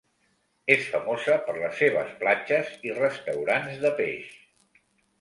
És famosa per les seves platges i restaurants de peix.